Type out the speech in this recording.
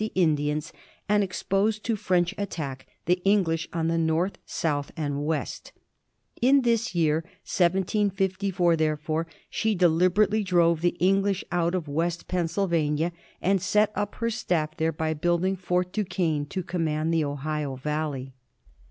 xu the Indians, and expose to French attack the English on the north, south, and west In this year 1754, therefore, she deliberately drove the English out of West Pennsyl vania, and set up her staff there by building Fort Duquesne to command the Ohio Valley.